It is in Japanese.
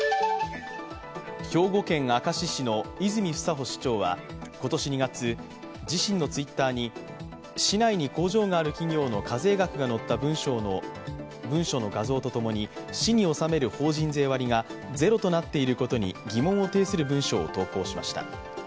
兵庫県明石市の泉房穂市長は今年２月、自身のＴｗｉｔｔｅｒに市内に工場がある企業の課税額が載った文書の画像とともに市に収める法人税割がゼロとなっていることに疑問を呈する文章を投稿しました。